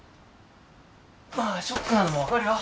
まあショックなのもわかるよ。